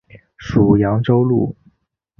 属扬州路。